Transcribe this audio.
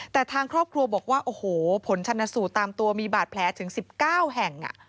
แต่ทางครอบครัวบอกว่าโอ้โหผลชนสูตรตามตัวมีบาดแผลถึง๑๙แห่ง